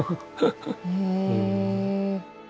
へえ。